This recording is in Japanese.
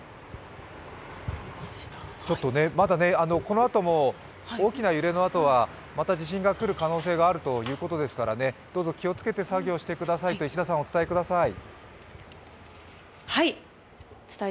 まだこのあとも大きな揺れのあとは、また地震の可能性もあるということですからね、どうぞ気をつけて作業してくださいと、石田さん、お伝えください。